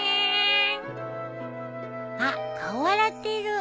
あっ顔洗ってる。